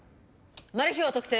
マルヒを特定